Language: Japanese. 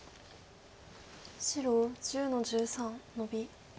白１０の十三ノビ。